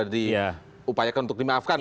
diupayakan untuk dimaafkan